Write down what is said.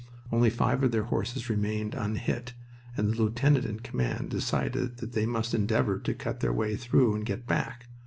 Only five of their horses remained unhit, and the lieutenant in command decided that they must endeavor to cut their way through and get back.